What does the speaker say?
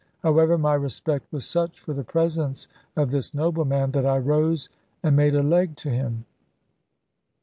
However, my respect was such for the presence of this noble man, that I rose and made a leg to him.